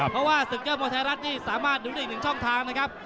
เพราะว่าศึกยอดมวยไทยรัฐนี่สามารถดูได้อีกหนึ่งช่องทางนะครับ